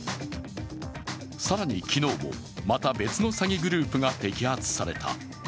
更に昨日も、また別の詐欺グループが摘発された。